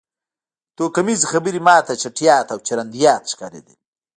توکمیزې خبرې ما ته چټیات او چرندیات ښکارېدل